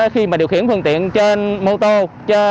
khi mà điều khiển phương tiện trên mô tô